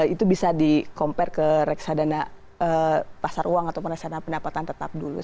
itu bisa di compare ke reksadana pasar uang atau reksadana pendapatan tetap dulu